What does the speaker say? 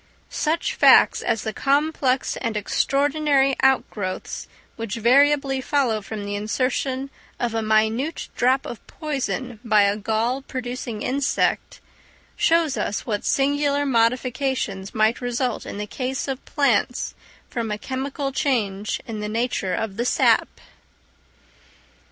Such facts as the complex and extraordinary out growths which variably follow from the insertion of a minute drop of poison by a gall producing insect, shows us what singular modifications might result in the case of plants from a chemical change in the nature of the sap.